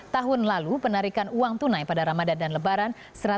tahun lalu penarikan uang tunai pada ramadan dan lebaran